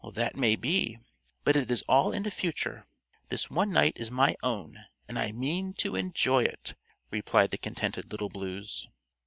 "That may be, but it is all in the future. This one night is my own, and I mean to enjoy it," replied the contented Little Blues.